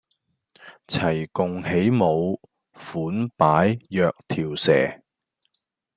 齊共起舞款擺若條蛇